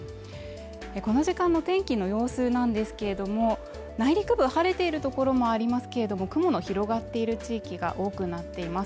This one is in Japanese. この時間の天気の様子なんですけれども、内陸部晴れているところもありますけれども雲の広がっている地域が多くなっています。